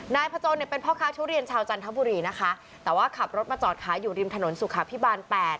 นายพจนเนี่ยเป็นพ่อค้าทุเรียนชาวจันทบุรีนะคะแต่ว่าขับรถมาจอดขายอยู่ริมถนนสุขาพิบาลแปด